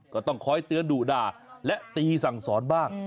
ก็ต้องคอยเตือนดุด่าและตีสั่งสอนบ้าง